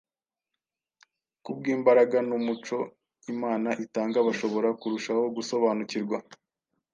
Kubw’imbaraga n’umucyo Imana itanga bashobora kurushaho gusobanukirwa.